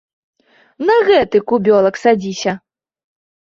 На гэты кубёлак садзіся.